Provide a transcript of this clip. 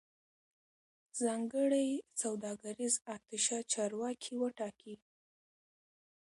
ځانګړی سوداګریز اتشه چارواکي وټاکي